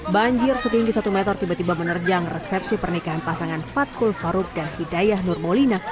banjir setinggi satu meter tiba tiba menerjang resepsi pernikahan pasangan fatkul faruk dan hidayah nur molina